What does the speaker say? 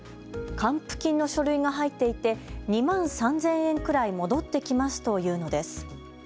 還付金の書類が入っていて２万３０００円くらい戻ってきますと言うのです。